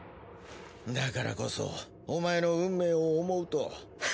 だからこそお前の運命を思うと。